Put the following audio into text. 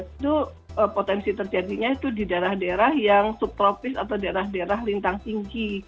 itu potensi terjadinya itu di daerah daerah yang subtropis atau daerah daerah lintang tinggi